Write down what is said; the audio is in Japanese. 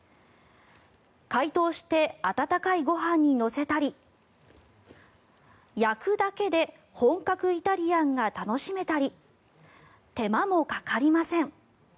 解凍して温かいご飯に乗せたり焼くだけで本格イタリアンが楽しめたり手間もかかりません。